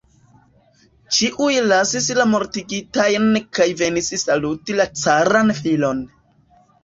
Ĉiuj lasis la mortigitajn kaj venis saluti la caran filon.